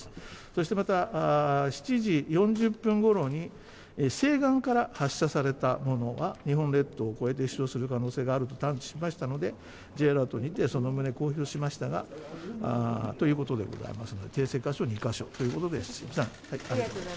そしてまた、７時４０分ごろに西岸から発射されたものは日本列島を越えて飛翔する可能性があると探知しましたのでＪアラートにてその旨、公表しましたがということでございますので訂正箇所、２か所ということですみません。